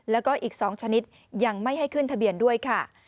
แล้วก็อีก๒ชนิดยังไม่ให้ขึ้นทะเบียนด้วยค่ะ